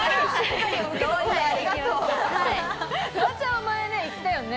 フワちゃんは前行ったよね？